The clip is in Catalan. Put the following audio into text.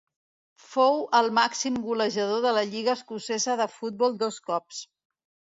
Fou el màxim golejador de la lliga escocesa de futbol dos cops.